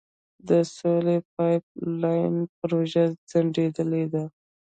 د سولې پایپ لاین پروژه ځنډیدلې ده.